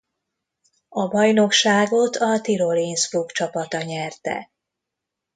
A bajnokságot a Tirol Innsbruck csapata nyerte.